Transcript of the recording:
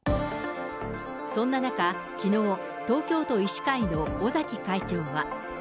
そんな中、きのう、東京都医師会の尾崎会長は。